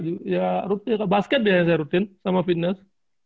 ya basket deh yang saya rutin sama fitness